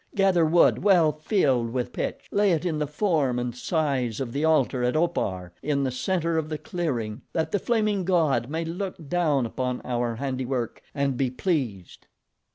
Gather wood well filled with pitch, lay it in the form and size of the altar at Opar in the center of the clearing that the Flaming God may look down upon our handiwork and be pleased."